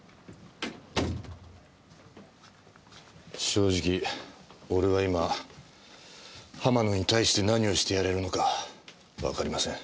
正直俺は今浜野に対して何をしてやれるのかわかりません。